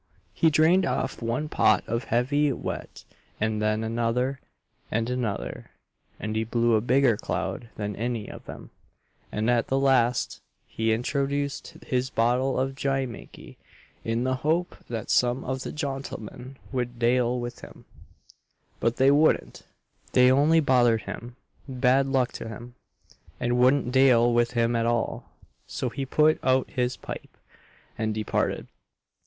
He drained off one pot of heavy wet, and then another, and another, and he blew a bigger cloud than any of them; and at the last, he introduced his bottle of Jimakey, in the hope that some of the jontlemen would dale with him but they wouldn't. They only bother'd him bad luck to 'em, and wouldn't dale with him at all; so he put out his pipe, and departed.